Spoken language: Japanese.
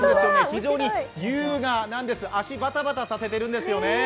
非常に優雅なんです、足バダバタさせているんですよね。